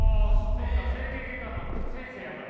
そっか整形外科の先生やから。